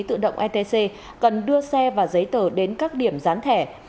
thu phí tự động etc cần đưa xe và giấy tờ đến các điểm gián thẻ